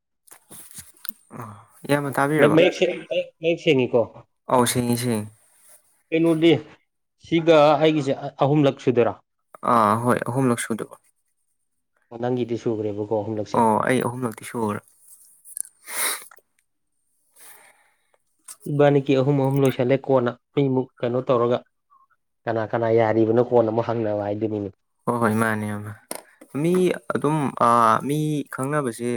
[inaudible] ꯇꯥꯕꯤꯔꯕ ꯃꯌꯦꯛ ꯁꯦꯡ ꯃꯌꯦꯛ ꯁꯦꯡꯉꯤꯀꯣ ꯑꯧ ꯁꯦꯡꯉꯤ ꯁꯦꯡꯉꯤ ꯀꯩꯅꯣꯗꯤ ꯁꯤꯒ ꯑꯩꯒꯤꯁꯦ ꯑꯍꯨꯝꯂꯛ ꯁꯨꯗꯣꯏꯔꯥ ꯑꯥ ꯍꯣꯏ ꯑꯍꯨꯝꯂꯛ ꯁꯨꯗꯣꯕ ꯑꯣ ꯅꯪꯒꯤꯗꯤ ꯁꯨꯒꯔꯦꯕ ꯑꯣ ꯑꯩ ꯑꯍꯨꯝꯂꯛꯇꯤ ꯁꯨꯒꯔ꯭ꯦ ꯏꯕꯥꯅꯤꯀꯤ ꯑꯍꯨꯝ ꯑꯍꯨꯝ ꯂꯣꯏꯁꯤꯜꯂꯦ ꯀꯣꯟꯅ ꯑꯩ ꯃꯨꯛ ꯀꯩꯅꯣ ꯇꯧꯔꯒ ꯀꯅꯥ ꯀꯅꯥ ꯌꯥꯔꯤꯕꯅꯣ ꯀꯣꯟꯅ ꯃꯨꯛ ꯍꯪꯅꯕ ꯍꯥꯏꯗꯨꯅꯤꯅꯦ ꯍꯣꯏ ꯍꯣꯏ ꯃꯥꯅꯦ ꯑꯃ ꯃꯤ ꯑꯗꯨꯝ ꯑꯥ ꯃꯤ ꯈꯪꯅꯕꯁꯦ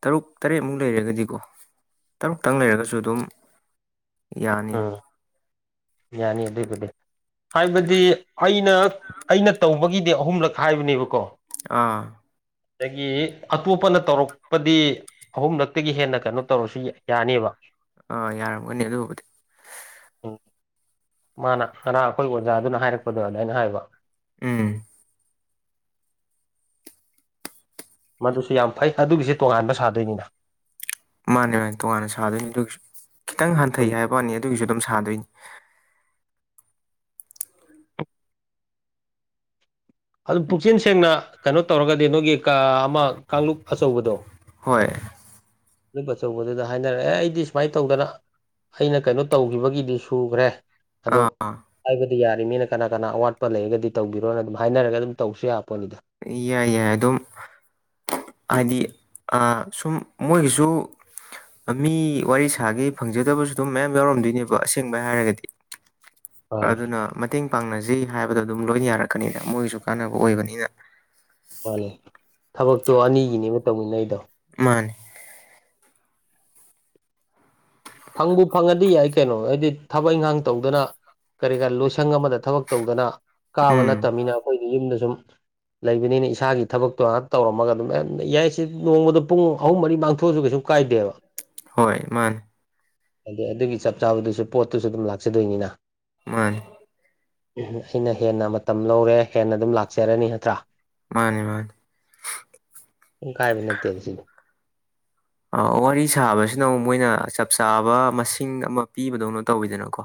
ꯇꯔꯨꯛ ꯇꯔꯦꯠꯃꯨꯛ ꯂꯩꯔꯒꯗꯤꯀꯣ ꯇꯔꯨꯛꯇꯪ ꯂꯩꯔꯒꯁꯨ ꯑꯗꯨꯝ ꯌꯥꯅꯤꯗ ꯎꯝ ꯌꯥꯅꯤ ꯑꯗꯨꯏꯕꯨꯗꯤ ꯍꯥꯏꯕꯗꯤ ꯑꯩꯅ ꯑꯩꯅ ꯇꯧꯕꯒꯤ ꯑꯍꯨꯝꯂꯛ ꯍꯥꯏꯕꯅꯦꯕꯀꯣ ꯑꯥ ꯑꯗꯒꯤ ꯑꯇꯣꯞꯄꯅ ꯇꯧꯔꯛꯄꯗꯤ ꯑꯍꯨꯝꯂꯛꯇꯒꯤ ꯍꯦꯟꯅ ꯀꯩꯅꯣ ꯇꯧꯔꯁꯨ ꯌꯥꯅꯦꯕ ꯑꯥ ꯌꯥꯔꯝꯒꯅꯤ ꯑꯗꯨꯕꯨꯗꯤ ꯎꯝ ꯃꯥꯅ ꯉꯔꯥꯡ ꯑꯈꯣꯏ ꯑꯣꯖꯥꯗꯨꯅ ꯍꯥꯏꯔꯛꯄꯗ ꯑꯗꯥꯏꯅ ꯍꯥꯏꯕ ꯎꯝ ꯃꯗꯨꯁꯨ ꯌꯥꯝ ꯐꯩ ꯑꯗꯨꯒꯤꯁꯦ ꯇꯣꯉꯥꯟꯕ ꯁꯥꯗꯣꯏꯅꯤꯅ ꯃꯥꯅꯦ ꯃꯥꯅꯦ ꯇꯣꯉꯥꯟꯅ ꯁꯥꯗꯣꯏꯅꯤ ꯑꯗꯨꯒꯤꯁꯨ ꯈꯤꯇꯪ ꯑꯩꯈꯣꯏ ꯍꯟꯊꯩ ꯍꯥꯏꯕꯋꯥꯅꯤ ꯑꯗꯨꯒꯤꯁꯨ ꯑꯗꯨꯝ ꯁꯥ ꯁꯥꯗꯣꯏꯅꯤ ꯑꯗꯨꯝ ꯄꯨꯛꯆꯦꯟ ꯁꯦꯡꯅ ꯀꯩꯅꯣ ꯇꯧꯔꯒꯗꯤ ꯅꯣꯏꯒꯤ ꯀ ꯑꯃ ꯀꯥꯡꯂꯨꯞ ꯑꯆꯧꯕꯗꯣ ꯍꯣꯏ ꯑꯆꯧꯕꯗꯨꯗ ꯍꯥꯏꯅꯔ ꯑꯦ ꯑꯩꯗꯤ ꯁꯨꯃꯥꯏꯅ ꯇꯧꯗꯅ ꯑꯩꯅ ꯀꯩꯅꯣ ꯇꯧꯈꯤꯕꯒꯤꯗꯤ ꯁꯨꯈ꯭ꯔꯦ ꯑꯗꯣ ꯑꯥ ꯍꯥꯏꯕꯗꯤ ꯌꯥꯔꯤꯝꯅꯤꯅ ꯀꯅꯥ ꯀꯅꯥ ꯑꯋꯥꯠꯄ ꯂꯩꯔꯒꯗꯤ ꯇꯧꯕꯤꯔꯣꯅ ꯑꯗꯨꯝ ꯍꯥꯏꯅꯔꯒ ꯑꯗꯨꯝ ꯇꯧꯁꯨ ꯌꯥꯄꯣꯠꯅꯤꯗ ꯌꯥꯏ ꯌꯥꯏ ꯑꯗꯨꯝ ꯍꯥꯏꯗꯤ ꯑꯥ ꯁꯨꯝ ꯃꯣꯏꯒꯤꯁꯨ ꯃꯤ ꯋꯥꯔꯤ ꯁꯥꯒꯦ ꯐꯪꯖꯗꯕꯁꯨ ꯑꯗꯨꯝ ꯃꯌꯥꯝ ꯌꯥꯎꯔꯝꯗꯣꯏꯅꯦꯕ ꯑꯁꯦꯡꯕꯩ ꯍꯥꯏꯔꯒꯗꯤ ꯑꯥ ꯑꯗꯨꯅ ꯃꯇꯦꯡ ꯄꯥꯡꯅꯁꯤ ꯁꯤ ꯍꯥꯏꯕꯗ ꯑꯗꯨꯝ ꯂꯣꯏꯅ ꯌꯥꯔꯛꯀꯅꯤꯗ ꯃꯣꯏꯒꯤꯁꯨ ꯀꯥꯟꯅꯕ ꯑꯣꯏꯕꯅꯤꯅ ꯃꯥꯅꯤ ꯊꯕꯛꯇꯣ ꯑꯅꯤꯒꯤꯅꯤꯕ ꯇꯧꯃꯤꯟꯅꯩꯗꯣ ꯃꯥꯅꯦ ꯐꯪꯕꯨ ꯐꯪꯉꯗꯤ ꯌꯥꯏ ꯀꯩꯅꯣ ꯍꯥꯏꯗꯤ ꯊꯕꯛ ꯏꯪꯈꯥꯡ ꯇꯧꯗꯅ ꯀꯔꯤ ꯀꯔ ꯂꯣꯏꯁꯪ ꯑꯃꯗ ꯊꯕꯛ ꯇꯧꯗꯅ ꯀꯥꯕ ꯎꯝ ꯅꯠꯇꯕꯅꯤꯅ ꯑꯈꯣꯏꯗꯤ ꯌꯨꯝꯗ ꯁꯨꯝ ꯂꯩꯕꯅꯤꯅ ꯏꯁꯥꯒꯤ ꯊꯕꯛꯇꯣ ꯍꯛ ꯇꯧꯔꯝꯃꯒ ꯑꯗꯨꯝ ꯌꯥꯏꯁꯦ ꯅꯣꯡꯃꯗ ꯄꯨꯡ ꯑꯍꯨꯝ ꯃꯔꯤ ꯃꯥꯡꯊꯣꯛꯑꯁꯨ ꯀꯩꯁꯨ ꯀꯥꯏꯗꯦꯕ ꯍꯣꯏ ꯃꯥꯅꯦ ꯑꯗꯣ ꯑꯗꯨꯒꯤ ꯆꯞ ꯆꯥꯕꯗꯨꯁꯨ ꯄꯣꯠꯇꯨꯁꯨ ꯑꯗꯨꯝ ꯂꯥꯛꯆꯗꯣꯏꯅꯤꯅ ꯃꯥꯅꯤ ꯎꯝ ꯑꯩꯅ ꯍꯦꯟꯅ ꯃꯇꯝ ꯂꯧꯔꯦ ꯍꯦꯟꯅ ꯑꯗꯨꯝ ꯂꯥꯛꯆꯔꯅꯤ ꯅꯠꯇ꯭ꯔꯥ ꯃꯥꯅꯤ ꯃꯥꯅꯤ ꯀꯥꯏꯕ ꯅꯠꯇꯦꯕ ꯁꯤꯗꯤ ꯋꯥꯔꯤ ꯁꯥꯕꯁꯤꯅ ꯑꯃꯨꯛ ꯃꯣꯏꯅ ꯆꯞ ꯆꯥꯕ ꯃꯁꯤꯡ ꯑꯃ ꯄꯤꯕꯗꯧꯅ ꯇꯧꯋꯤꯗꯅꯀꯣ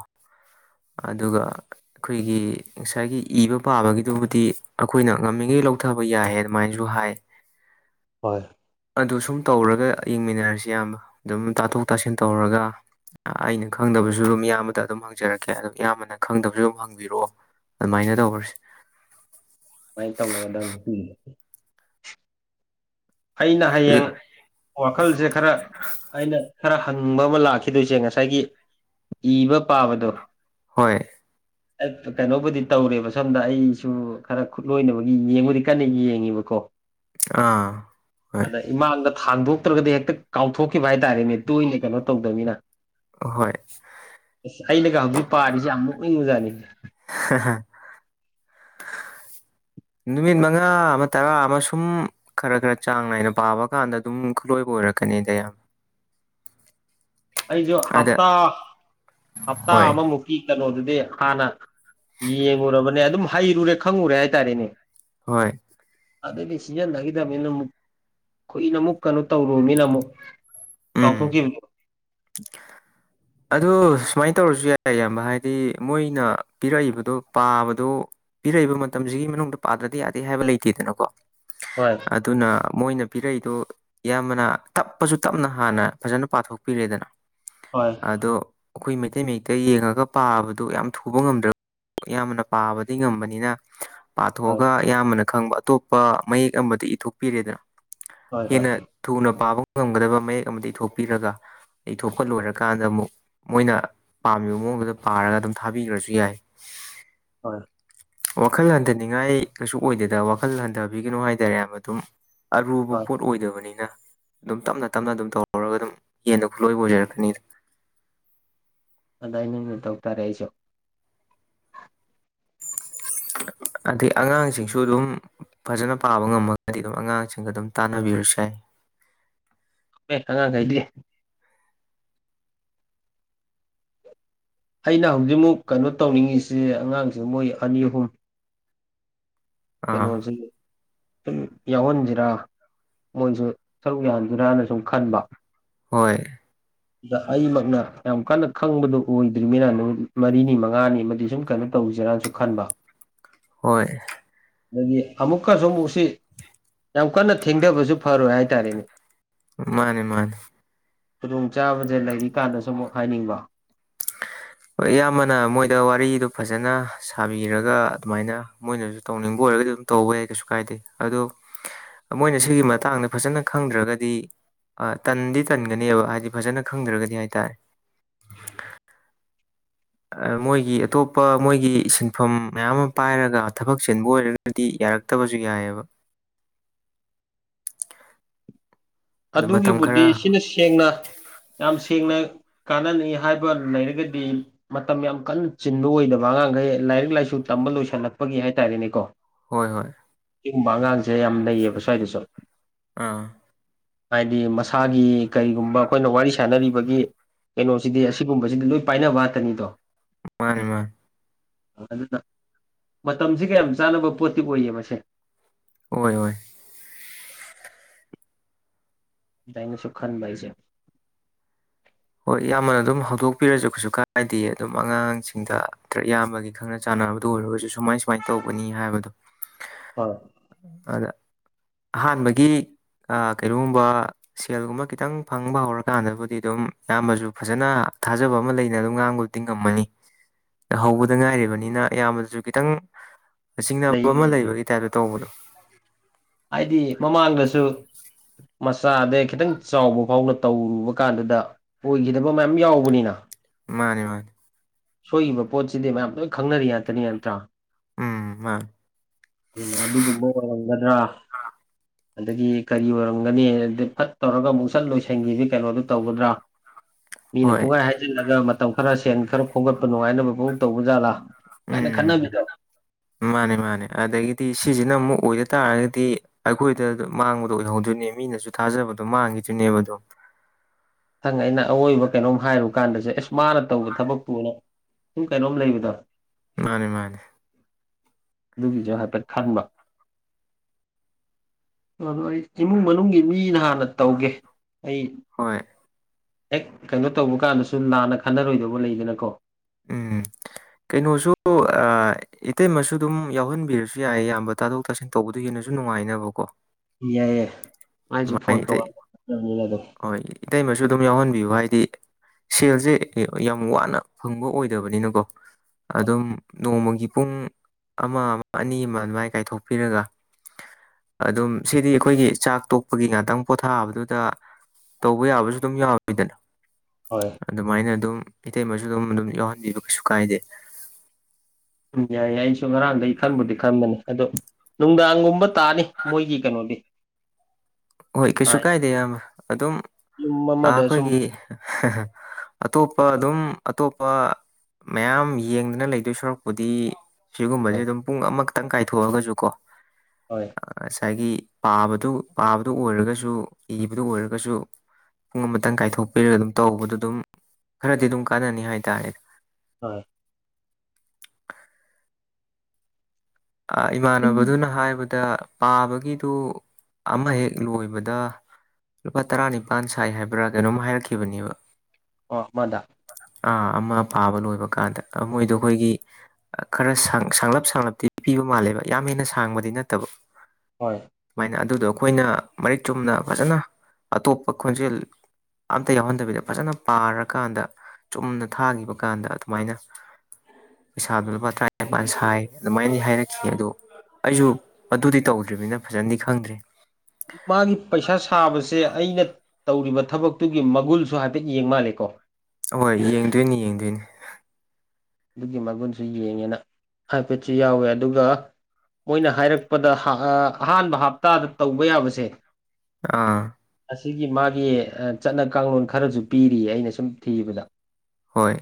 ꯑꯗꯨꯒ ꯑꯩꯈꯣꯏꯒꯤ ꯉꯁꯥꯏꯒꯤ ꯏꯕ ꯄꯥꯕꯒꯤꯗꯨꯕꯨꯗꯤ ꯑꯈꯣꯏꯅ ꯉꯝꯃꯤꯉꯩ ꯂꯧꯊꯕ ꯌꯥꯏꯑꯦ ꯑꯗꯨꯃꯥꯏꯅꯁꯨ ꯍꯥꯏ ꯍꯣꯏ ꯑꯗꯨ ꯁꯨꯝ ꯇꯧꯔꯒ ꯌꯦꯡꯃꯤꯟꯅꯔꯁꯤ ꯏꯌꯥꯝꯕ ꯑꯗꯨꯝ ꯇꯥꯊꯣꯛ ꯇꯥꯁꯤꯟ ꯇꯧꯔꯒ ꯑꯩꯅ ꯈꯪꯗꯕꯁꯨ ꯑꯗꯨꯝ ꯏꯌꯥꯝꯕꯗ ꯑꯗꯨꯝ ꯍꯪꯖꯔꯛꯀꯦ ꯑꯗꯨꯝ ꯏꯌꯥꯝꯕꯅ ꯈꯪꯗꯕꯁꯨ ꯑꯗꯨꯝ ꯍꯪꯕꯤꯔꯛꯑꯣ ꯑꯗꯨꯃꯥꯏꯅ ꯇꯧꯔꯁꯦ ꯁꯨꯃꯥꯏꯅ ꯇꯧꯅꯒꯗꯧꯅꯤ ꯑꯩꯅ ꯍꯌꯦꯡ ꯋꯥꯈꯜꯁꯦ ꯈꯔ ꯑꯩꯅ ꯈꯔ ꯍꯪꯕ ꯑꯃ ꯂꯥꯛꯈꯤꯗꯣꯏꯁꯦ ꯉꯁꯥꯏꯒꯤ ꯏꯕ ꯄꯥꯕꯗꯣ ꯍꯣꯏ ꯀꯩꯅꯣꯕꯨꯗꯤ ꯇꯧꯔꯦꯕ ꯁꯣꯝꯗ ꯑꯩꯁꯨ ꯈꯔ ꯈꯨꯠꯂꯣꯏꯅꯕꯒꯤ ꯌꯦꯡꯕꯨꯗꯤ ꯀꯟꯅ ꯌꯦꯡꯉꯤꯕꯀꯣ ꯑꯥ ꯍꯣꯏ ꯑꯗ ꯏꯃꯥꯡꯗ ꯊꯥꯡꯗꯣꯛꯇ꯭ꯔꯒꯗꯤ ꯍꯦꯛꯇ ꯀꯥꯎꯊꯣꯛꯈꯤꯕ ꯍꯥꯏ ꯇꯔꯦꯅꯦ ꯇꯣꯏꯅ ꯀꯩꯅꯣ ꯇꯧꯗꯅꯤꯅ ꯍꯣꯏ ꯑꯩꯅꯒ ꯍꯧꯖꯤꯛ ꯄꯥꯔꯤꯖꯦ ꯌꯥꯝ ꯅꯣꯛꯅꯤꯡꯕꯖꯥꯠꯅꯤ ꯍꯥ [inaudible] ꯅꯨꯃꯤꯠ ꯃꯉꯥ ꯑꯃ ꯇꯔꯥ ꯑꯃ ꯁꯨꯝ ꯈꯔ ꯈꯔ ꯆꯥꯡ ꯅꯥꯏꯅ ꯄꯥꯕ ꯀꯥꯟꯗ ꯑꯗꯨꯝ ꯈꯨꯠꯂꯣꯏꯕ ꯑꯣꯏꯔꯛꯀꯥ ꯀꯅꯤꯗ ꯌꯥꯝ [inaudible] ꯑꯩꯖꯨ ꯑꯗ ꯍꯞꯇꯥ ꯍꯞꯇꯥ ꯍꯣꯏ ꯑꯃꯃꯨꯛꯀꯤ ꯀꯩꯅꯣꯗꯨꯗꯤ ꯗꯤ ꯍꯥꯟꯅ ꯌꯦꯡꯉꯨꯔꯕꯅꯦ ꯑꯗꯨꯝ ꯍꯩꯔꯨꯔꯦ ꯈꯪꯉꯨꯔꯦ ꯍꯥꯏꯇꯥꯔꯦꯅꯦ ꯍꯣꯏ ꯑꯗꯩꯗꯤ ꯁꯤꯖꯤꯟꯅꯒꯤꯗꯝꯅꯤꯅ ꯑꯃꯨꯛ ꯀꯨꯏꯅ ꯑꯃꯨꯛ ꯀꯩꯅꯣ ꯇꯧꯔꯣꯝꯅꯤꯅ ꯑꯃꯨꯛ ꯎꯝ ꯀꯥꯎꯊꯣꯛꯈꯤꯕꯗꯣ ꯑꯗꯨ ꯁꯨꯃꯥꯏꯅ ꯇꯧꯔꯖꯨ ꯌꯥꯏ ꯏꯌꯥꯝꯕ ꯍꯥꯏꯗꯤ ꯃꯣꯏꯅ ꯄꯤꯔꯛꯏꯕꯗꯣ ꯄꯥꯕꯗꯣ ꯄꯤꯔꯛꯏꯕ ꯃꯇꯝꯖꯤꯒꯤ ꯃꯅꯨꯡꯗ ꯄꯥꯗ꯭ꯔꯗꯤ ꯌꯥꯗꯦ ꯍꯥꯏꯕ ꯂꯩꯇꯦꯗꯅꯀꯣ ꯍꯣꯏ ꯑꯗꯨꯅ ꯃꯣꯏꯅ ꯄꯤꯔꯛꯏꯗꯨ ꯏꯌꯥꯝꯕꯅ ꯇꯞꯄꯁꯨ ꯇꯞꯅ ꯍꯥꯟꯅ ꯐꯖꯅ ꯄꯥꯊꯣꯛꯄꯤꯔꯦꯗꯅ ꯍꯣꯏ ꯑꯗꯣ ꯑꯩꯈꯣꯏ ꯃꯩꯇꯩ ꯃꯌꯦꯛꯇ ꯌꯦꯡꯉꯒ ꯄꯥꯕꯗꯨ ꯌꯥꯝ ꯊꯨꯕ ꯉꯝꯗ꯭ꯔꯒ ꯏꯌꯥꯝꯕꯅ ꯄꯥꯕꯗꯤ ꯉꯝꯕꯅꯤꯅ ꯍꯣꯏ ꯄꯥꯊꯣꯛꯑꯒ ꯏꯌꯥꯝꯕꯅ ꯈꯪꯕ ꯑꯇꯣꯞꯄ ꯃꯌꯦꯛ ꯑꯃꯗ ꯏꯊꯣꯛꯄꯤꯔꯦꯗꯅ ꯍꯣꯏ ꯍꯣꯏ ꯍꯦꯟꯅ ꯊꯨꯅ ꯄꯥꯕ ꯉꯝꯒꯗꯕ ꯃꯌꯦꯛ ꯑꯃꯗ ꯏꯊꯣꯛꯄꯤꯔꯒ ꯏꯊꯣꯛꯄ ꯂꯣꯏꯔꯀꯥꯟꯗ ꯑꯃꯨꯛ ꯃꯣꯏꯅ ꯄꯥꯝꯃꯤꯕ ꯃꯑꯣꯡꯗꯨꯗ ꯄꯥꯔꯒ ꯑꯗꯨꯝ ꯊꯥꯕꯤꯒ꯭ꯔꯖꯨ ꯌꯥꯏ ꯍꯣꯏ ꯋꯥꯈꯜ ꯍꯟꯊꯅꯤꯡꯉꯥꯏ ꯀꯩꯁꯨ ꯑꯣꯏꯗꯦꯗ ꯋꯥꯈꯜ ꯍꯟꯊꯕꯤꯒꯤꯅꯨ ꯍꯥꯏꯇꯥꯔꯦ ꯏꯌꯥꯝꯕ ꯑꯗꯨꯝ ꯑꯔꯨꯕ ꯍꯣꯏ ꯄꯣꯠ ꯑꯣꯏꯗꯕꯅꯤꯅ ꯑꯗꯨꯝ ꯇꯞꯅ ꯇꯞꯅ ꯑꯗꯨꯝ ꯇꯧꯔꯒ ꯑꯗꯨꯝ ꯍꯦꯟꯅ ꯈꯨꯠꯂꯣꯏꯕ ꯑꯣꯏꯖꯔꯛꯀꯅꯤꯗ ꯑꯗꯥꯏꯅꯃꯨꯛ ꯇꯧꯇꯥꯔꯦ ꯑꯩꯖꯨ [inaudible] ꯑꯗꯩ ꯑꯉꯥꯡꯁꯤꯡꯁꯨ ꯑꯗꯨꯝ ꯐꯖꯅ ꯄꯥꯕ ꯉꯝꯃꯒꯗꯤ ꯑꯗꯨꯝ ꯑꯉꯥꯡꯁꯤꯡꯒ ꯑꯗꯨꯝ ꯇꯥꯟꯅꯕꯤꯔꯁꯨ ꯌꯥꯏ [inaudible] ꯑꯦ ꯑꯉꯥꯡꯒꯩꯗꯤ ꯑꯩꯅ ꯍꯧꯖꯤꯛꯃꯨꯛ ꯀꯩꯅꯣ ꯇꯧꯅꯤꯡꯉꯤꯁꯤ ꯑꯉꯥꯡꯖꯦ ꯃꯣꯏ ꯑꯅꯤ ꯑꯍꯨꯝ ꯑꯥ ꯀꯩꯅꯣꯖꯤ ꯁꯨꯝ ꯌꯥꯎꯍꯟꯖꯤꯔ ꯃꯣꯏꯖꯨ ꯁꯔꯨꯛ ꯌꯥꯍꯟꯖꯤꯔꯥꯅ ꯁꯨꯝ ꯈꯟꯕ ꯍꯣꯏ ꯑꯗ ꯑꯩꯃꯛꯅ ꯌꯥꯝ ꯀꯟꯅ ꯈꯪꯕꯗꯨ ꯑꯣꯏꯗ꯭ꯔꯤꯃꯤꯅ ꯅꯨꯃꯤꯠ ꯃꯔꯤꯅꯤ ꯃꯉꯥꯅꯤ ꯑꯃꯗꯤ ꯁꯨꯝ ꯀꯩꯅꯣ ꯇꯧ ꯇꯧꯁꯤꯔꯅꯁꯨ ꯈꯟꯕ ꯍꯣꯏ ꯑꯗꯒꯤ ꯑꯃꯨꯛꯀꯁꯨ ꯑꯃꯨꯛꯁꯤ ꯌꯥꯝ ꯀꯟꯅ ꯊꯦꯡꯊꯕꯁꯨ ꯐꯔꯣꯏ ꯍꯥꯏꯇꯥꯔꯦꯅꯦ ꯃꯥꯅꯦ ꯃꯥꯅꯤ ꯈꯨꯗꯣꯡꯆꯥꯥꯕꯁꯦ ꯂꯩꯔꯤ ꯀꯥꯟꯗꯁꯨ ꯑꯃꯨꯛ ꯍꯥꯏꯅꯤꯡꯕ ꯍꯣꯏ ꯏꯌꯥꯝꯕꯅ ꯃꯣꯏꯗ ꯋꯥꯔꯤꯗꯨ ꯐꯖꯅ ꯁꯥꯕꯤꯔꯒ ꯑꯗꯨꯃꯥꯏꯅ ꯃꯣꯏꯅꯁꯨ ꯇꯧꯅꯤꯡꯕ ꯑꯣꯏ [unintelligible] ꯑꯗꯨꯝ ꯇꯧꯕ ꯌꯥꯏ ꯀꯩꯁꯨ ꯀꯥꯏꯗꯦ ꯑꯗꯣ ꯃꯣꯏꯅ ꯁꯤꯒꯤ ꯃꯇꯥꯡꯗ ꯐꯖꯅ ꯈꯪꯗ꯭ꯔꯒꯗꯤ ꯑꯥ ꯇꯟꯗꯤ ꯇꯟꯒꯅꯤꯕ ꯍꯥꯏꯗꯤ ꯐꯖꯅ ꯈꯪꯗ꯭ꯔꯒꯗꯤ ꯍꯥꯏꯇꯥꯔꯦ [inaudible] ꯑꯥ ꯃꯣꯏꯒꯤ ꯑꯇꯣꯞꯄ ꯃꯣꯏꯒꯤ ꯁꯤꯟꯐꯝ ꯃꯌꯥꯝ ꯑꯃ ꯄꯥꯏꯔꯒ ꯊꯕꯛ ꯆꯤꯟꯕ ꯑꯣꯏꯔꯒꯗꯤ ꯌꯥꯔꯛꯇꯕꯁꯨ ꯌꯥꯏꯑꯦꯕ [inaudible] ꯑꯗꯣ ꯃꯇꯝ ꯑꯗꯨꯒꯤꯕꯨꯗꯤ ꯈꯔ ꯁꯤꯅ ꯁꯦꯡꯅ ꯌꯥꯝ ꯊꯦꯡꯅ ꯀꯥꯟꯅꯅꯤ ꯍꯥꯏꯕ ꯂꯩꯔꯒꯗꯤ ꯃꯇꯝ ꯌꯥꯝ ꯀꯟꯅ ꯆꯤꯟꯕ ꯑꯣꯏꯗꯕ ꯑꯉꯥꯡꯒꯩ ꯂꯥꯏꯔꯤꯛ ꯂꯥꯏꯁꯨ ꯇꯝꯕ ꯂꯣꯏꯁꯜꯂꯛꯄꯒꯤ ꯍꯥꯏꯇꯥꯔꯦꯅꯦꯀꯣ ꯍꯣꯏ ꯍꯣꯏ ꯁꯤꯒꯨꯝꯕ ꯑꯉꯥꯡꯁꯦ ꯌꯥꯝ ꯂꯩꯩꯌꯦꯕ ꯁ꯭ꯋꯥꯏꯗꯁꯨ ꯑꯥ ꯍꯥꯏꯗꯤ ꯃꯁꯥꯒꯤ ꯀꯔꯤꯒꯨꯝꯕ ꯑꯩꯈꯣꯏꯅ ꯋꯥꯔꯤ ꯁꯥꯟꯅꯔꯤꯕꯒꯤ ꯀꯩꯅꯣꯁꯤꯗꯤ ꯑꯁꯤꯒꯨꯝꯕꯁꯤꯗꯤ ꯂꯣꯏ ꯄꯥꯏꯅꯕ ꯉꯥꯛꯇꯅꯤꯗꯣ ꯃꯥꯅꯤ ꯃꯥꯅꯤ ꯑꯗꯨꯅ ꯃꯇꯝꯁꯤꯒ ꯌꯥꯝ ꯆꯥꯅꯕ ꯄꯣꯠꯇꯤ ꯑꯣꯏꯌꯦ ꯃꯁꯦ ꯑꯣꯏ ꯑꯣꯏ ꯗꯥꯏꯅꯁꯨ ꯈꯟꯕ ꯑꯩꯁꯦ ꯍꯣꯏ ꯏꯌꯥꯝꯕꯅ ꯑꯗꯨꯝ ꯍꯧꯗꯣꯛꯄꯤꯔꯁꯨ ꯀꯩꯁꯨ ꯀꯥꯏꯗꯤꯌꯦ ꯑꯗꯨꯝ ꯑꯉꯥꯡꯁꯤꯡꯗ ꯅꯠꯇ꯭ꯔ ꯏꯌꯥꯝꯕꯒꯤ ꯈꯪꯅ ꯆꯥꯟ ꯅꯕꯗ ꯑꯣꯏꯔꯒꯁꯨ ꯁꯨꯃꯥꯏ ꯁꯨꯃꯥꯏꯟ ꯇꯧꯕꯅꯤ ꯍꯥꯏꯕꯗꯣ ꯍꯣꯏ ꯑꯗꯥ ꯑꯍꯥꯟꯕꯒꯤ ꯑꯥ ꯀꯩꯅꯣꯒꯨꯝꯕ ꯁꯦꯜꯒꯨꯝꯕ ꯈꯤꯇꯪ ꯐꯪꯕ ꯍꯧꯔꯀꯥꯟꯗꯕꯨꯗꯤ ꯑꯗꯨꯝ ꯏꯌꯥꯝꯕꯁꯨ ꯐꯖꯅ ꯊꯥꯖꯕ ꯑꯃ ꯂꯩꯅ ꯑꯗꯨꯝ ꯉꯥꯡꯕꯕꯨꯗꯤ ꯉꯝꯃꯅꯤ ꯍꯧꯕꯗ ꯉꯥꯏꯔꯤꯕꯅꯤꯅ ꯑꯌꯥꯝꯕꯗꯁꯨ ꯈꯤꯇꯪ ꯆꯤꯡꯅꯕ ꯂꯩ ꯑꯃ ꯂꯩꯕꯒꯤ ꯇꯥꯏꯞꯇ ꯇꯧꯕꯗꯣ ꯍꯥꯏꯗꯤ ꯃꯃꯥꯡꯗꯁꯨ ꯃꯆꯥꯗꯦ ꯈꯤꯇꯪ ꯆꯥꯎꯕ ꯐꯥꯎꯅ ꯇꯧꯔꯨꯕ ꯀꯥꯟꯗꯨꯗ ꯑꯣꯏꯒꯤꯗꯕ ꯃꯌꯥꯝ ꯌꯥꯎꯕꯅꯤꯅ ꯃꯥꯅꯦ ꯃꯥꯅꯦ ꯁꯣꯏꯈꯤꯕ ꯄꯣꯠꯁꯤꯗꯤ ꯃꯌꯥꯝ ꯂꯣꯏ ꯈꯪꯅꯔꯤ ꯉꯥꯛꯇꯅꯤ ꯅꯠꯇ꯭ꯔꯥ ꯎꯝ ꯃꯥꯅꯦ ꯑꯗꯨꯒꯨꯝꯕ ꯑꯣꯏꯔꯝꯒꯗ꯭ꯔꯥ ꯑꯗꯒꯤ ꯀꯔꯤ ꯑꯣꯏꯔꯝꯒꯅꯤ ꯑꯗ ꯐꯠ ꯇꯧꯔꯒ ꯑꯃꯨꯛ ꯁꯠ ꯂꯣꯏꯁꯟꯈꯤꯕꯤ ꯀꯩꯅꯣꯗꯨ ꯇꯧꯒꯗ꯭ꯔꯥ ꯃꯤꯅ ꯍꯣꯏ ꯄꯨꯡꯍꯥꯏ ꯍꯥꯏꯖꯤꯜꯂꯒ ꯃꯇꯝ ꯈꯔ ꯁꯦꯟ ꯈꯔ ꯈꯣꯝꯒꯠꯄ ꯅꯨꯡꯉꯥꯏꯅꯕ ꯄꯨ ꯇꯧꯕ ꯖꯥꯠꯂꯥ ꯀꯥꯏꯅ ꯎꯝ ꯈꯟꯅꯕꯤꯗꯣ ꯃꯥꯅꯦ ꯃꯥꯅꯦ ꯑꯗꯒꯤꯗꯤ ꯁꯤꯁꯤꯅ ꯑꯃꯨꯛ ꯑꯣꯏꯗ ꯇꯥꯔꯒꯗꯤ ꯑꯩꯈꯣꯏꯗ ꯃꯥꯡꯕꯗꯣ ꯑꯣꯏꯍꯧꯗꯣꯏꯅꯦ ꯃꯤꯅꯁꯨ ꯊꯥꯖꯕ ꯃꯥꯡꯒꯤꯗꯨꯏꯅꯦꯕ ꯑꯗꯨꯝ ꯊꯪ ꯑꯩꯅ ꯑꯋꯣꯏꯕ ꯀꯩꯅꯣꯝ ꯍꯥꯏꯔꯨ ꯀꯥꯟꯗꯁꯨ ꯑꯁ ꯃꯥꯅ ꯇꯧꯕ ꯊꯕꯛꯄꯨ ꯑꯅ ꯁꯨꯝ ꯀꯩꯅꯣꯝ ꯂꯩꯕꯗꯣ ꯃꯥꯅꯦ ꯃꯥꯅꯦ ꯑꯗꯨꯒꯤꯁꯨ ꯍꯥꯏꯐꯦꯠ ꯈꯟꯕ ꯑꯗꯣ ꯑꯩ ꯏꯃꯨꯡ ꯃꯅꯨꯡꯒꯤ ꯃꯤꯅ ꯍꯥꯟꯅ ꯇꯧꯒꯦ ꯑꯩ ꯍꯣꯏ ꯍꯦꯛ ꯀꯩꯅꯣ ꯇꯧꯕ ꯀꯥꯟꯗꯁꯨ ꯂꯥꯟꯅ ꯈꯟꯅꯔꯣꯏꯗꯧꯕ ꯂꯩꯗꯅꯀꯣ ꯎꯝ ꯀꯩꯅꯣꯁꯨ ꯑꯥ ꯏꯇꯩꯃꯁꯨ ꯑꯗꯨꯝ ꯌꯥꯎꯍꯟꯕꯤꯔꯁꯨ ꯌꯥꯏ ꯑꯌꯥꯝꯕ ꯇꯥꯊꯣꯛ ꯇꯥꯁꯤꯟ ꯇꯧꯕꯗꯨ ꯍꯦ ꯅꯁꯨ ꯅꯨꯡꯉꯥꯏꯅꯕꯀꯣ ꯌꯥꯏ ꯌꯦ ꯑꯗꯨꯃꯥꯏ ꯏꯇꯩ ꯍꯣꯏ ꯏꯇꯩꯃꯁꯨ ꯑꯗꯨꯝ ꯌꯥꯎꯍꯟꯕꯤꯌꯨ ꯍꯥꯏꯗꯤ ꯁꯦꯜꯁꯦ ꯌꯥꯝ ꯋꯥꯅ ꯐꯪꯕ ꯑꯣꯏꯗꯕꯅꯤꯅꯀꯣ ꯑꯗꯨꯝ ꯅꯣꯡꯃꯒꯤ ꯄꯨꯡ ꯑꯃ ꯑꯃ ꯑꯅꯤ ꯑꯃ ꯑꯗꯨꯃꯥꯏ ꯀꯥꯏꯊꯣꯛꯄꯤꯔꯒ ꯑꯗꯨꯝ ꯁꯤꯗꯤ ꯑꯩꯈꯣꯏꯒꯤ ꯆꯥꯛ ꯇꯣꯛꯄꯒꯤ ꯉꯥꯛꯇꯪ ꯄꯣꯊꯥꯕꯗꯨꯗ ꯇꯧꯕ ꯌꯥꯕꯁꯨ ꯑꯗꯨꯝ ꯌꯥꯎꯋꯤꯗꯅ ꯍꯣꯏ ꯑꯗꯨꯃꯥꯏꯅ ꯑꯗꯨꯝ ꯏꯇꯩ ꯃꯁꯨ ꯑꯗꯨꯝ ꯑꯗꯨꯝ ꯌꯥꯎꯍꯟꯕꯤꯕ ꯀꯩꯁꯨ ꯀꯥꯏꯗꯦ ꯎꯝ ꯌꯥꯏꯏ ꯑꯩꯁꯨ ꯉꯔꯥꯡꯗꯒꯤ ꯈꯟꯕꯨꯗꯤ ꯈꯟꯕꯅꯦ ꯑꯗꯣ ꯅꯨꯡꯗꯥꯡꯒꯨꯝꯕ ꯇꯥꯅꯤ ꯃꯣꯏꯒꯤ ꯀꯩꯅꯣꯗꯤ ꯍꯣꯏ ꯀꯩꯁꯨ ꯍꯥꯏ ꯀꯥꯏꯗꯦ ꯏꯌꯥꯝꯕ ꯑꯗꯨꯝ ꯌꯨꯝ ꯑꯥ ꯑꯃꯗ ꯁꯨꯝ ꯑꯩꯈꯣꯏꯒꯤ [unintelligible] ꯑꯇꯣꯞꯄ ꯑꯗꯨꯝ ꯑꯇꯣꯞꯄ ꯃꯌꯥꯝ ꯌꯦꯡꯗꯨꯅ ꯂꯩꯗꯣꯏ ꯁꯔꯨꯛꯄꯨꯗꯤ ꯁꯤꯒꯨꯝꯕꯁꯦ ꯍꯣꯏ ꯑꯗꯨꯝ ꯄꯨꯡ ꯑꯃꯈꯛ ꯈꯤꯇꯪ ꯀꯥꯏꯊꯣꯛꯑꯒꯁꯨ ꯀꯣ ꯍꯣꯏ ꯉꯁꯥꯏꯒꯤ ꯄꯥꯕꯗꯨ ꯄꯥꯕꯗꯨ ꯑꯣꯏꯔꯒꯁꯨ ꯏꯕꯗꯨ ꯑꯣꯏꯔꯒꯁꯨ ꯄꯨꯡ ꯑꯃꯇꯪ ꯀꯥꯏꯊꯣꯛꯄꯤꯔꯒ ꯑꯗꯨꯝ ꯇꯧꯕꯗ ꯑꯗꯨꯝ ꯈꯔꯗꯤ ꯑꯗꯨꯝ ꯀꯥꯟꯅꯅꯤ ꯍꯥꯏꯇꯥꯔꯦ ꯍꯣꯏ ꯑ ꯏꯃꯥꯟꯅꯕꯗꯨꯅ ꯍꯥꯏꯕꯗꯨ ꯗ ꯄꯥꯕꯒꯤꯗꯨ ꯑꯃ ꯍꯦꯛ ꯂꯣꯏꯕꯗ ꯂꯨꯄꯥ ꯇꯔꯥꯅꯤꯄꯥꯜ ꯁꯥꯏ ꯍꯥꯏꯕ꯭ꯔꯥ ꯀꯩꯅꯣꯝ ꯍꯥꯏꯔꯛꯈꯤꯕꯅꯦꯕ ꯑꯣ ꯃꯗꯥ ꯑ ꯑꯃ ꯄꯥꯕ ꯂꯣꯏꯕ ꯀꯥꯟꯗ ꯃꯣꯏꯗꯣ ꯑꯈꯣꯏꯒꯤ ꯈꯔ ꯁꯥꯡꯂꯞ ꯁꯥꯡꯂꯞꯇꯤ ꯄꯤꯕ ꯃꯥꯜꯂꯦꯕ ꯌꯥꯝ ꯍꯦꯟꯅ ꯁꯥꯡꯕꯗꯤ ꯅꯠꯇꯕ ꯍꯣꯏ ꯁꯨꯃꯥꯏꯅ ꯑꯗꯨꯗꯣ ꯑꯈꯣꯏꯅ ꯃꯔꯤꯛ ꯆꯨꯝꯅ ꯐꯖꯅ ꯑꯇꯣꯞꯄ ꯈꯣꯟꯖꯦꯜ ꯑꯝꯇ ꯌꯥꯎꯍꯟꯗꯕꯤꯗ ꯐꯖꯅ ꯄꯥꯔꯀꯥꯟꯗ ꯆꯨꯝꯅ ꯊꯥꯈꯤꯕ ꯀꯥꯟꯗ ꯑꯗꯨꯃꯥꯏꯅ ꯄꯩꯁꯥꯗꯣ ꯂꯨꯄꯥ ꯇꯔꯥꯅꯤꯄꯥꯟ ꯁꯥꯏ ꯑꯗꯨꯃꯥꯏꯅ ꯍꯥꯏꯔꯛꯈꯤ ꯑꯗꯣ ꯑꯩꯁꯨ ꯑꯗꯨꯗꯤ ꯇꯧꯗ꯭ꯔꯤꯕꯅꯤꯅ ꯐꯖꯅꯗꯤ ꯈꯪꯗ꯭ꯔꯤ ꯃꯥꯒꯤ ꯄꯩꯁꯥ ꯁꯥꯕꯁ ꯁꯦ ꯑꯩꯅ ꯇꯧꯔꯤꯕ ꯊꯕꯛꯇꯨꯒꯤ ꯃꯒꯨꯜꯁꯨ ꯍꯥꯏꯐꯦꯠ ꯌꯦꯡ ꯃꯥꯜꯂꯦꯀꯣ ꯍꯣꯏ ꯌꯦꯡꯗꯣꯏꯅꯤ ꯌꯦꯡꯗꯣꯏꯅꯤ ꯑꯗꯨꯒꯤ ꯃꯒꯨꯟꯁꯨ ꯌꯦꯡꯉꯦꯅ ꯍꯥꯏꯐꯦꯠꯁꯨ ꯌꯥꯎꯋꯦ ꯑꯗꯨꯒ ꯃꯣꯏꯅ ꯍꯥꯏꯔꯛꯄꯗ ꯑꯍꯥꯟꯕ ꯍꯞꯇꯥꯗ ꯇꯧꯕ ꯌꯥꯕꯁꯦ ꯑꯥ ꯑꯁꯤꯒꯤ ꯃꯥꯒꯤ ꯆꯠꯅ ꯀꯥꯡꯂꯣꯟ ꯈꯔꯁꯨ ꯄꯤꯔꯤꯌꯦ ꯑꯩꯅ ꯁꯨꯝ ꯊꯤꯕꯗ ꯍꯣꯏ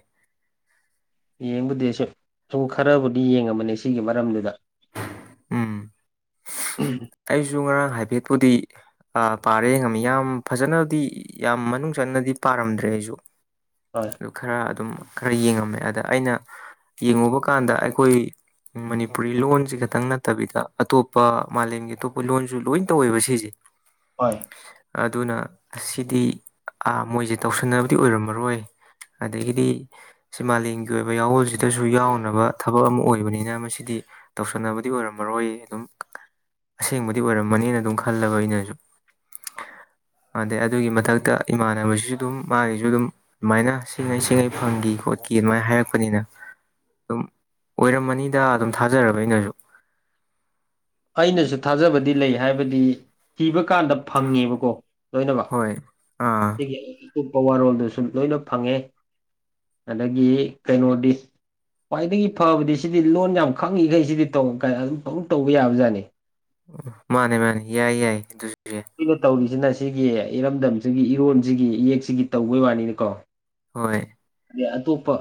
ꯌꯦꯡꯕꯨꯗꯤ ꯁꯤ ꯁꯨꯝ ꯈꯔꯕꯨꯗꯤ ꯌꯦꯡꯉꯝꯕꯅꯤ ꯁꯤꯒꯤ ꯃꯔꯝꯗꯨꯗ ꯎꯝ ꯑꯩꯁꯨ ꯉꯔꯥꯡ ꯍꯥꯏ ꯚꯦꯠꯄꯨꯗꯤ ꯄꯥꯔꯦ ꯌꯦꯡꯉꯝꯃꯤ ꯌꯥꯝ ꯐꯖꯅꯗꯤ ꯌꯥꯝ ꯃꯅꯨꯡ ꯆꯟꯅꯗꯤ ꯄꯥꯔꯝꯗ꯭ꯔꯦ ꯑꯩꯁꯨ ꯍꯣꯏ ꯑꯗꯨ ꯈꯔ ꯑꯗꯨꯝ ꯈꯔ ꯌꯦꯡꯉꯝꯃꯦ ꯑꯗ ꯑꯩꯅ ꯌꯦꯡꯉꯨꯕ ꯀꯥꯟꯗ ꯑꯩꯈꯣꯏ ꯃꯅꯤꯄꯨꯔꯤ ꯂꯣꯟꯁꯤ ꯈꯇꯪ ꯅꯠꯇꯕꯤꯗ ꯑꯇꯣꯞꯄ ꯃꯥꯂꯦꯝꯒꯤ ꯑꯇꯣꯞꯄ ꯂꯣꯟꯁꯨ ꯂꯣꯏ ꯇꯧꯋꯦꯕ ꯁꯤꯁꯦ ꯍꯣꯏ ꯑꯗꯨꯅ ꯑꯁꯤꯗꯤ ꯃꯣꯏꯁꯦ ꯇꯧꯁꯟꯅꯕꯗꯤ ꯑꯣꯏꯔꯝꯃꯔꯣꯏ ꯑꯗꯒꯤꯗꯤ ꯁꯤ ꯃꯥꯂꯦꯝꯒꯤ ꯑꯣꯏꯕ ꯌꯥꯋꯣꯜꯁꯤꯗꯁꯨ ꯌꯥꯎꯅꯕ ꯊꯕꯛ ꯑꯃ ꯑꯣꯏꯕꯅꯤꯅ ꯃꯁꯤꯗꯤ ꯇꯧꯁꯟꯅꯕꯗꯤ ꯑꯣꯏꯔꯝꯃꯔꯣꯏ ꯑꯗꯨꯝ [inaudible] ꯑꯁꯦꯡꯕꯗꯤ ꯑꯣꯏꯔꯝꯃꯅꯦꯅ ꯑꯗꯨꯝ ꯈꯜꯂꯕ ꯑꯩꯅꯁꯨ ꯑꯗꯩ ꯑꯗꯨꯒꯤ ꯃꯊꯛꯇ ꯏꯃꯥꯟꯅꯕꯁꯤꯁꯨ ꯑꯗꯨꯝ ꯃꯥꯒꯤꯁꯨ ꯑꯗꯨꯝ ꯑꯗꯨꯃꯥꯏꯅ ꯁꯤꯡꯉꯩ ꯁꯤꯡꯉꯩ ꯐꯪꯈꯤ ꯈꯣꯠ ꯆ ꯀꯦ ꯑꯗꯨꯃꯥꯏꯅ ꯍꯥꯏꯔꯛꯄꯅꯤꯅ ꯑꯗꯨꯝ ꯑꯣꯏꯔꯝꯃꯅꯤꯗ ꯑꯗꯨꯝ ꯊꯥꯖꯔꯕ ꯑꯩꯅꯁꯨ ꯑꯩꯅꯁꯨ ꯊꯥꯖꯕꯗꯤ ꯂꯩ ꯍꯥꯏꯕꯗꯤ ꯏꯤꯕ ꯀꯥꯟꯗ ꯐꯪꯉꯦꯕꯀꯣ ꯂꯣꯏꯃꯛ ꯍꯣꯏ ꯑꯥ ꯁꯤꯒꯤ ꯑꯇꯣꯞꯄ ꯋꯥꯔꯣꯜꯗꯨꯁꯨ ꯂꯣꯏꯅ ꯐꯪꯉꯦ ꯑꯗꯒꯤ ꯀꯩꯅꯣꯗꯤ ꯈ꯭ꯋꯥꯏꯗꯒꯤ ꯐꯕꯗꯤ ꯁꯤꯗꯤ ꯂꯣꯟ ꯌꯥꯝ ꯈꯪꯉꯤꯈꯩ ꯁꯤꯗꯤ ꯇꯧ ꯀꯥꯢꯅ ꯑꯗꯨꯝ ꯇꯧ ꯇꯧꯕ ꯌꯥꯕꯖꯥꯠꯅꯤ ꯃꯥꯅꯦ ꯃꯥꯅꯦ ꯌꯥꯏ ꯌꯥꯏ ꯌꯥꯏ ꯑꯩꯈꯣꯢꯅ ꯇꯧꯔꯤꯁꯤꯅ ꯁꯤꯒꯤ ꯏꯔꯝꯗꯝꯁꯤꯒꯤ ꯏꯔꯣꯟꯁꯤꯒꯤ ꯏꯌꯦꯛꯁꯤꯒꯤ ꯇꯧꯕꯩ ꯋꯥꯅꯤꯅꯤꯀꯣ ꯍꯣꯏ ꯑꯇꯣꯞꯄ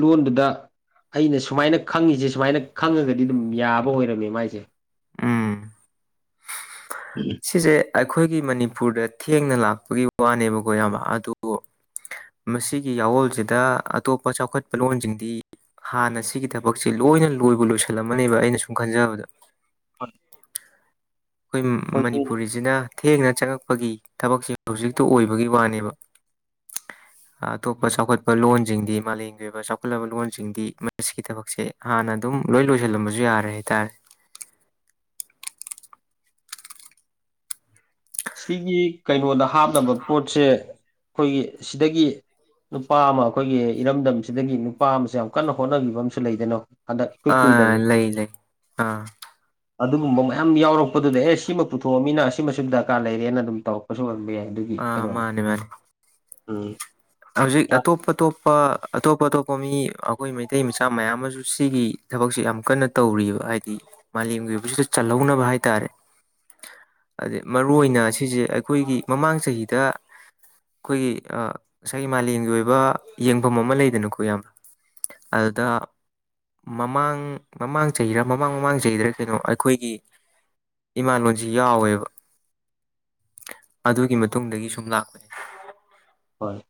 ꯂꯣꯟꯗꯨꯗ ꯑꯩꯅ ꯁꯨꯃꯥꯏꯅ ꯈꯪꯉꯤꯁꯦ ꯁꯨꯃꯥꯏꯅ ꯈꯪꯉꯒꯗꯤ ꯑꯗꯨꯝ ꯌꯥꯕ ꯑꯣꯏꯔꯝꯃꯦ ꯃꯥꯏꯁꯦ ꯎꯝ ꯁꯤꯁꯦ ꯑꯩꯈꯣꯏꯒꯤ ꯃꯅꯤꯄꯨꯔꯗ ꯊꯦꯡꯅ ꯂꯥꯛꯄꯒꯤ ꯋꯥꯅꯦꯕꯀꯣ ꯏꯌꯥꯝꯕ ꯗꯨꯕꯨ ꯃꯁꯤꯒꯤ ꯌꯥꯋꯣꯜꯁꯤꯗ ꯑꯇꯣꯞꯄ ꯆꯥꯎꯈꯠꯄ ꯂꯣꯟꯁꯤꯡꯗꯤ ꯍꯥꯟꯅ ꯁꯤꯒꯤ ꯊꯕꯛꯁꯦ ꯂꯣꯏꯅ ꯂꯣꯏꯕꯨ ꯂꯣꯏꯁꯜꯂꯝꯃꯅꯦꯕ ꯑꯩꯅ ꯁꯨꯝ ꯈꯟꯖꯕꯗ ꯍꯣꯏ ꯑꯩꯈꯣꯏ ꯃꯅꯤꯄꯨꯔ ꯁꯤꯅ ꯊꯦꯡꯅ ꯆꯪꯉꯛꯄꯒꯤ ꯊꯕꯛꯁꯦ ꯍꯧꯖꯤꯛꯇ ꯑꯣꯏꯕꯩ ꯋꯥꯅꯦꯕ [inaudible] ꯑꯇꯣꯞꯄ ꯆꯥꯎꯈꯠꯄ ꯂꯣꯟꯁꯤꯡꯗꯤ ꯃꯥꯂꯦꯝꯒꯤ ꯑꯣꯏꯕ ꯆꯥꯎꯈꯠꯂꯕ ꯂꯣꯟꯁꯤꯡꯒꯤ ꯃꯁꯤꯒꯤ ꯊꯕꯛꯁꯦ ꯍꯥꯟꯅ ꯑꯗꯨꯝ ꯍ ꯂꯣꯏ ꯂꯣꯏꯁꯤꯜꯂꯝꯕꯁꯨ ꯌꯥꯔꯦ ꯍꯥꯏꯇꯥꯔꯦ [inaudible] ꯁꯤꯒꯤ ꯀꯩꯅꯣꯗ ꯍꯥꯞꯅꯕ ꯄꯣꯠꯁꯦ ꯑꯩꯈꯣꯏꯒꯤ ꯁꯤꯗꯒꯤ ꯅꯨꯄꯥ ꯑꯃ ꯑꯩꯈꯣꯏꯒꯤ ꯏꯔꯝꯗꯝꯁꯤꯗꯒꯤ ꯅꯨꯄꯥ ꯑꯃꯁꯨ ꯌꯥꯝ ꯀꯟꯅ ꯍꯣꯠꯅꯈꯤꯕ ꯑꯃꯁꯨ ꯂꯩꯗꯅ ꯍꯟꯗꯛ ꯏꯀꯨꯏ ꯑꯥ ꯀꯨꯏꯗꯕꯤ ꯂꯩ ꯂꯩ ꯑꯥ ꯑꯗꯨꯒꯨꯝꯕ ꯃꯌꯥꯝ ꯌꯥꯎꯔꯛꯄꯗꯨꯗ ꯑꯦ ꯁꯤꯃ ꯄꯨꯊꯣꯛꯑꯃꯤꯅ ꯁꯤꯃꯁꯨ ꯗꯔꯀꯥꯔ ꯂꯩꯔꯦꯅ ꯑꯗꯨꯝ ꯇꯧꯔꯛꯄꯁꯨ ꯑꯣꯏꯔꯝꯕ ꯌꯥꯏ ꯑꯗꯨꯒꯤ ꯑꯥ ꯀꯩꯅꯣꯗ ꯃꯥꯅꯦ ꯃꯥꯅꯦ ꯎꯝ ꯍꯧꯖꯤꯛ ꯑ ꯑꯇꯣꯞ ꯑꯇꯣꯞꯄ ꯑꯇꯣꯞ ꯑꯇꯣꯞꯄ ꯃꯤ ꯑꯩꯈꯣꯏ ꯃꯩ ꯇꯩ ꯃꯆꯥ ꯃꯌꯥꯝ ꯑꯃꯁꯨ ꯁꯤꯒꯤ ꯊꯕꯛꯁꯦ ꯌꯥꯝ ꯀꯟꯅ ꯇꯧꯔꯤꯕ ꯍꯥꯏꯗꯤ ꯃꯥꯂꯦꯝꯒꯤ ꯑꯣꯏꯕꯁꯤꯗ ꯆꯜꯍꯧꯅꯕ ꯍꯥꯏ ꯍꯥꯏꯇꯥꯔꯦ [inaudible] ꯑꯗꯩ ꯃꯔꯨ ꯑꯣꯏꯅ ꯁꯤꯁꯦ ꯑꯩꯈꯣꯏꯒꯤ ꯃꯃꯥꯡ ꯆꯍꯤꯗ ꯑꯩꯈꯣꯏꯒꯤ ꯑꯥ ꯉꯁꯥꯏꯒꯤ ꯃꯥꯂꯦꯝꯒꯤ ꯑꯣꯏꯕ ꯌꯦꯡꯕꯝ ꯑꯃ ꯂꯩꯗꯅꯀꯣ ꯏꯌꯥꯝꯕ ꯑꯗꯨꯗ ꯃꯃꯥꯡ ꯃꯃꯥꯡ ꯆꯍꯤꯔꯥ ꯃꯃꯥꯡ ꯃꯃꯥꯡ ꯆꯍꯤꯗꯔꯥ ꯀꯩꯅꯣ ꯑꯩꯈꯣꯏꯒꯤ ꯏꯃꯥꯂꯣꯟꯖꯤ ꯌꯥꯎꯋꯦꯕ ꯑꯗꯨꯒꯤ ꯃꯇꯨꯡꯗꯒꯤ ꯁꯨꯝ ꯂꯥꯛꯄꯅꯦ ꯍꯣꯏ